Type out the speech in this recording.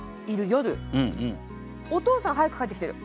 お父さん早く帰ってきてる？